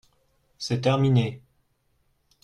C’est terminé.